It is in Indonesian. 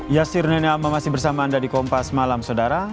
ya sir nama masih bersama anda di kompas malam sodara